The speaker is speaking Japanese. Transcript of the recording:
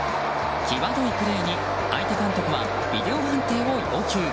際どいプレーに相手監督はビデオ判定を要求。